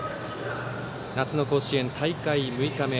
夏の甲子園、大会６日目。